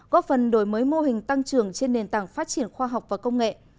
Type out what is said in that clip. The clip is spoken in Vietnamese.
góp phần đổi mới mô hình tăng trưởng trên nền tảng phát triển khoa học và công nghệ